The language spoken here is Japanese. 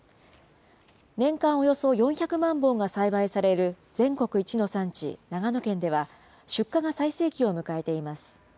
年間およそ４００万本が栽培される全国一の産地、長野県では、出荷が最盛期を迎えています。